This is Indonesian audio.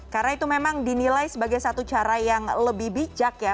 karena itu memang dinilai sebagai satu cara yang lebih bijak ya